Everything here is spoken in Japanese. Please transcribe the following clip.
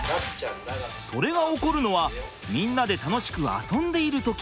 それが起こるのはみんなで楽しく遊んでいる時。